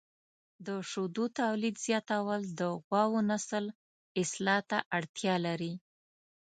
د شیدو تولید زیاتول د غواوو نسل اصلاح ته اړتیا لري.